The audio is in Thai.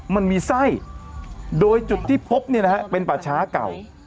มันมีไส้โดยจุดที่พบเนี่ยนะฮะเป็นป่าช้าเก่า